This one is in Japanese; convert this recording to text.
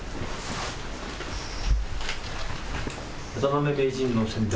渡辺名人の先手